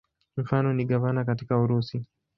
Mfano ni gavana katika Urusi.